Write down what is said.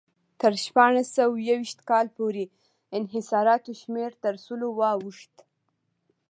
تر شپاړس سوه یو ویشت کال پورې انحصاراتو شمېر تر سلو واوښت.